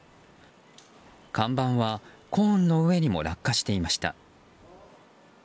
看板はコーンの上にも落下していました。